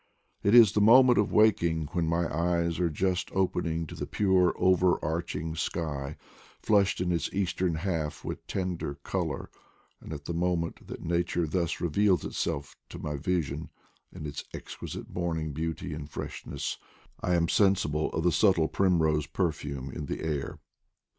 It is the moment of wakening, when my eyes are just open ing to the pute over arching sky, flushed in its eastern half with tender color ; and at the moment that nature thus reveals itself to my vision in its exquisite morning beauty and freshness, I am sensible of the subtle primrose perfume in the air.